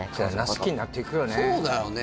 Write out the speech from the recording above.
好きになっていくよね